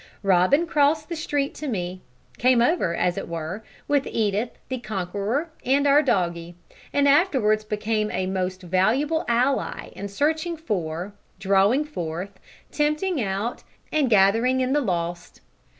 Robin crossed the street to me came over, as it were with Edith the conqueror and our doggie, and afterwards became a most valuable ally in searching for, drawing forth, tempting out and gathering in the lost.